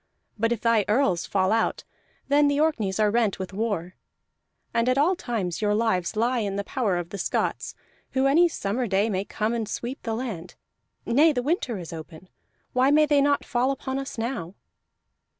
But if thy earls fall out, then the Orkneys are rent with war. And at all times your lives lie in the power of the Scots, who any summer day may come and sweep the land. Nay, the winter is open: why may they not fall upon us now?"